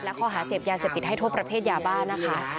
และข้อหาเสพยาเสพติดให้โทษประเภทยาบ้านะคะ